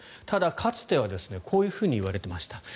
ただ、かつてはこういうふうに言われていました。